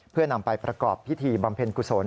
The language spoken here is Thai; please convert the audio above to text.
เพื่อนำไปประกอบพิธีบำเพ็ญกุศล